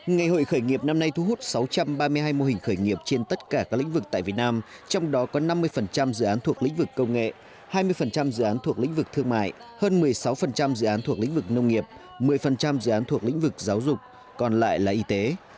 ngày hội khởi nghiệp năm nay thu hút sáu trăm ba mươi hai mô hình khởi nghiệp trên tất cả các lĩnh vực tại việt nam trong đó có năm mươi dự án thuộc lĩnh vực công nghệ hai mươi dự án thuộc lĩnh vực thương mại hơn một mươi sáu dự án thuộc lĩnh vực nông nghiệp một mươi dự án thuộc lĩnh vực giáo dục còn lại là y tế